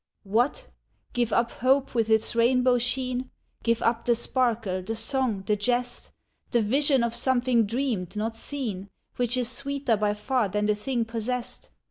What ! give up hope with its rainbow sheen, Give up the sparkle, the song, the jest, The vision of something dreamed, not seen, Which is sweeter by far than the thing possessed